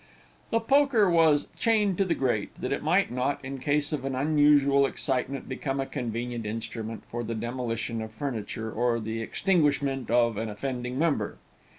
The poker was chained to the grate, that it might not, in case of an unusual excitement, become a convenient instrument for the demolition of furniture, or the extinguishment of an offending member.